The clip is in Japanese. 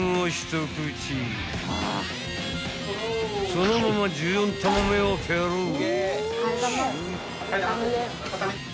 ［そのまま１４玉目をペロリ］